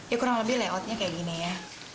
ya kurang lebih layoutnya kayak gini ya